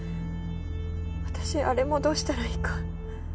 私あれもどうしたらいいか。